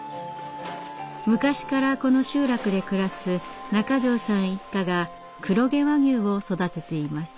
昔からこの集落で暮らす中條さん一家が黒毛和牛を育てています。